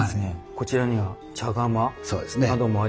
こちらには茶釜などもありますけど。